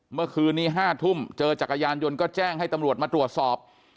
เมื่อคืนนี้๕ทุ่มเจอจักรยานยนต์ก็แจ้งให้ตำรวจมาตรวจสอบ